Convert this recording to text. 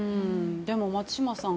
でも、松嶋さん